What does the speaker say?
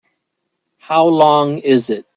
How long is it?